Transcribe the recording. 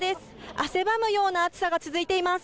汗ばむような暑さが続いています。